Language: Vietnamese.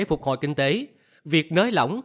phục hồi kinh tế việc nới lỏng